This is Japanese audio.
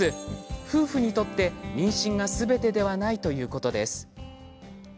夫婦にとって妊娠がすべてではないということです。